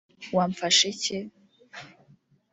wamfasha iki